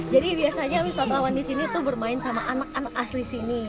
jadi biasanya wisatawan di sini tuh bermain sama anak anak asli sini